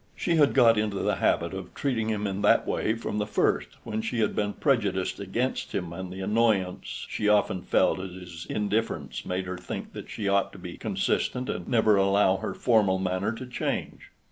She had got into the habit of treating him in that way from the first, when she had been prejudiced against him and the annoyance she often felt at his indifference made her think that she ought to be consistent and never allow her formal manner to change.